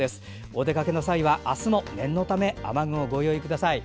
お出かけの際はあすも念のため雨具をご用意ください。